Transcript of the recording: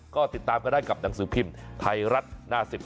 ก็ติดตามกันได้กับหนังสือพิมพ์ไทยรัฐหน้า๑๒